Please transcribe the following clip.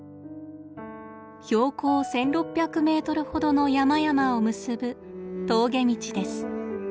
標高１，６００メートルほどの山々を結ぶ峠道です。